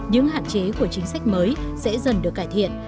những hạn chế của chính sách mới sẽ dần được cải thiện